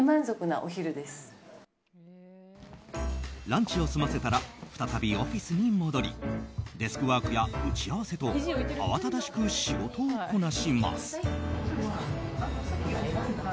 ランチを済ませたら再びオフィスに戻りデスクワークや打ち合わせと慌ただしく仕事をこなします。